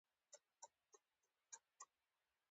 • ځینې نومونه د صبر، حوصلې او استقامت نښه ده.